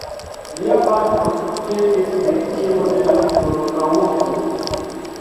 Lia patro estis viktimo de la holokaŭsto.